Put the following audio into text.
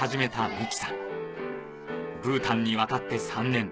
ブータンに渡って３年。